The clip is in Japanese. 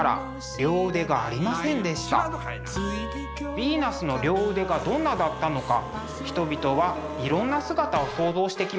ヴィーナスの両腕がどんなだったのか人々はいろんな姿を想像してきました。